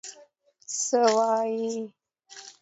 څه وايي.